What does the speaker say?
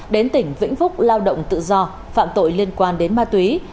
đến tỉnh vĩnh phúc lao động tự do phạm tội liên quan đến ma túy